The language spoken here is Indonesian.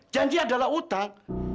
janji adalah utang